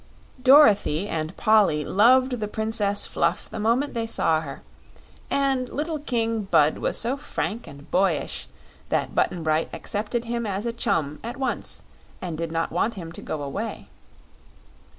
Dorothy and Polly loved the Princess Fluff the moment they saw her, and little King Bud was so frank and boyish that Button Bright accepted him as a chum at once and did not want him to go away.